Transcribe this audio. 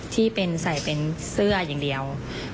ที่เป็นใส่เป็นเสื้ออย่างเดียว